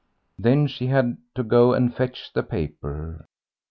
Then she had to go and fetch the paper.